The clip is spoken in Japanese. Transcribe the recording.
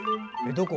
どこ？